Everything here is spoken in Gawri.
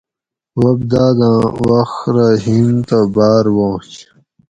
بوب داۤد آۤں وخت رہ ہیم تہ باۤر وانش